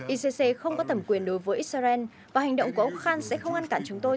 icc không có thẩm quyền đối với israel và hành động của ông khan sẽ không ngăn cản chúng tôi